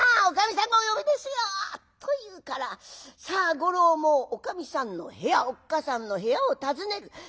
おかみさんがお呼びですよ」と言うからさあ五郎もおかみさんの部屋おっかさんの部屋を訪ねる。